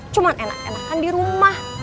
cuma enak enakan di rumah